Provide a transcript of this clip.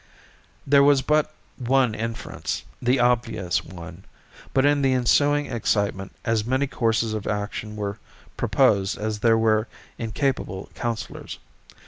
There was but one inference—the obvious one; but in the ensuing excitement as many courses of action were proposed as there were incapable counselors.